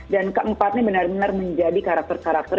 dan keempatnya benar benar menjadi karakter karakter